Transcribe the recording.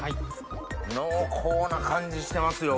濃厚な感じしてますよ